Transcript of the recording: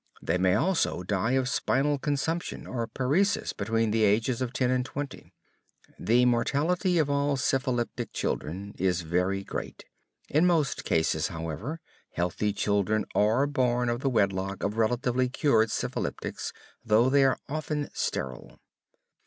They may also die of spinal consumption or paresis between the ages of 10 and 20. The mortality of all syphilitic children is very great. In most cases, however, healthy children are born of the wedlock of relatively cured syphilitics, though they are often sterile.